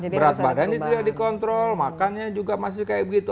berat badannya tidak dikontrol makannya juga masih kayak begitu